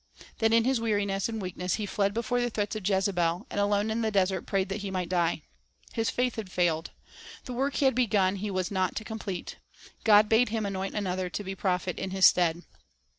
Then in his weariness and weak ness he fled before the threats of Jezebel, and alone, in the desert prayed that he might die. His faith had failed. The work he had begun, he was not to com plete. God bade him anoint another to be prophet in his stead.